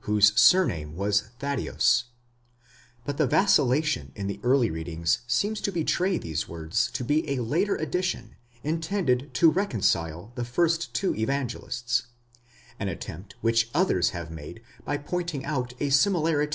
whose surname was Thaddeus ; but the vacillation in the early readings seems to betray these words to be a later addition intended to reconcile the first two Evangelists ;* an attempt which others have made by pointing out a similarity 1 Thus most of the expositors, Fritzsche, Matth.